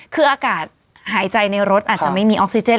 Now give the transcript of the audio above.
คืออากาศหายใจในรถอาจจะไม่มีออกซิเจน